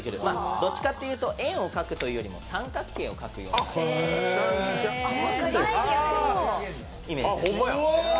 どっちかというと円を描くというよりも三角形を描くようなイメージです。